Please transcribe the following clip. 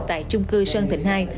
tại chung cư sơn thịnh hai